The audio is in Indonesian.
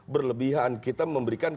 berlebihan kita memberikan